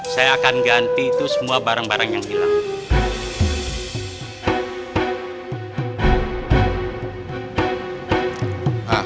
saya akan ganti itu semua barang barang yang hilang